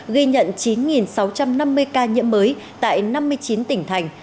ghi nhận chín sáu trăm năm mươi ca nhiễm mới tại năm mươi chín tỉnh thành